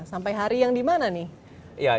sampai hari yang di mana nih